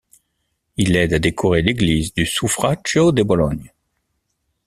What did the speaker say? Il aide à décorer l'église du Suffragio de Bologne.